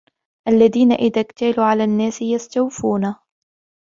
الذين إذا اكتالوا على الناس يستوفون